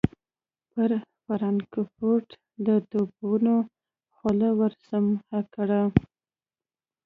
پر فرانکفورټ د توپونو خوله ور سمهکړه.